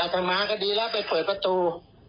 ทางมาก็ดีแล้วไปเปิดประตู